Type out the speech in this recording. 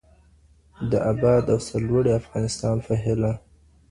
د اباد او سرلوړي افغانستان په هیله.